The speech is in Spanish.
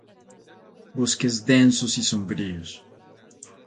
Bosques densos y sombríos.